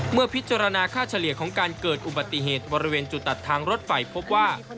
เมื่อพิจารณาค่าเฉลี่ยของการเกิดอุบัติเหตุบริเวณจุดตัดทางรถไฟพบว่า